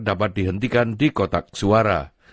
dapat dihentikan di kotak suara